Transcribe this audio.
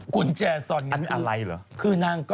กุญแจสอนอันนี้อะไรเหรอ